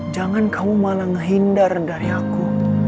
jangan kau malah ngehindar dari aku